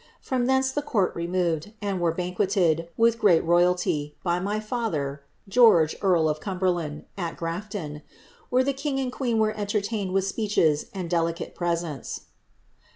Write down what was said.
^ mtn ihence the court removed, and were banqueted, wilh great rovnlly, by my father, (George, earl of Cuinberliind,) at Grafton, where the kiiip and queen were enierlaicfii willi speeches and delicate presents."